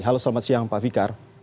halo selamat siang pak fikar